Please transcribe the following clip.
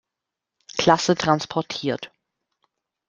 Klasse transportiert.